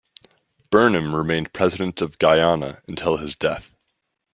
Burnham remained President of Guyana until his death.